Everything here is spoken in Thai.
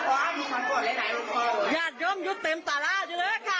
หลวงตาอยู่เต็มตลาดเลยค่ะ